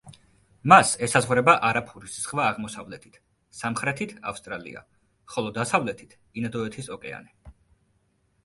მას ესაზღვრება არაფურის ზღვა აღმოსავლეთით, სამხრეთით ავსტრალია, ხოლო დასავლეთით ინდოეთის ოკეანე.